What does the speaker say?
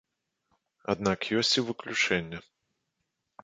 Аднак ёсць і выключэнне.